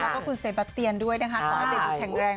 แล้วก็คุณเสร็จบัตรเตียนด้วยนะคะขอให้เด็กดูแข็งแรง